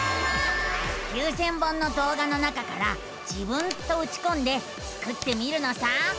９，０００本のどう画の中から「自分」とうちこんでスクってみるのさ。